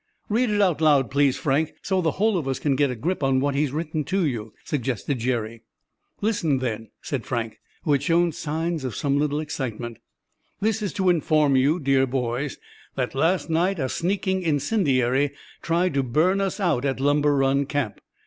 "Read it out loud, please, Frank, so the whole of us can get a grip on what he's written to you," suggested Jerry. "Listen, then," said Frank, who had shown signs of some little excitement. "'This is to inform you, dear boys, that last night a sneaking incendiary tried to burn us out at Lumber Run Camp.